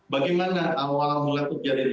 bagaimana awal mulai terjadi